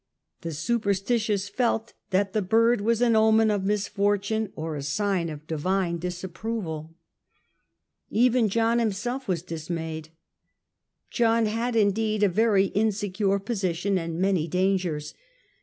The superstitious felt that the bird was an omen of misfortune or a sign of divine disapproval ; SCHISMS IN THE PAPACY AND EMPIPvE 121 even John himself was dismayed. John had, indeed, a very insecure position and many dangers.